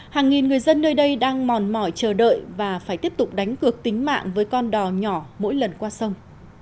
hàng nghìn người dân nơi đây đang mòn mỏi chờ đợi và phải tiếp tục đánh cược tính mạng với con đò nhỏ mỗi lần qua sông